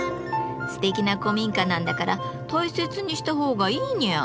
すてきな古民家なんだから大切にしたほうがいいニャー。